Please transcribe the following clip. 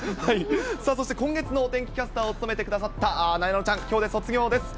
さあそして、今月のお天気キャスターを務めてくださったなえなのちゃん、きょうで卒業です。